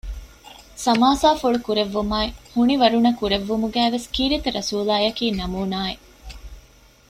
ސަމާސާފުޅު ކުރެއްވުމާއި ހުނިވަރުނަ ކުރެއްވުމުގައި ވެސް ކީރިތިރަސޫލާއަކީ ނަމޫނާއެއް